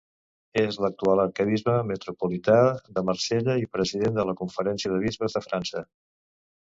És l'actual arquebisbe metropolità de Marsella i president de la Conferència de Bisbes de França.